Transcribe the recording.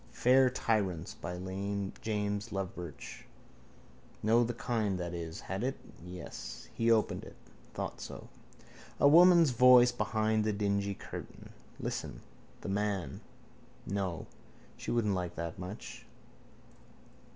Fair Tyrants by James Lovebirch. Know the kind that is. Had it? Yes. He opened it. Thought so. A woman's voice behind the dingy curtain. Listen: the man. No: she wouldn't like that much.